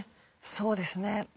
そうですね。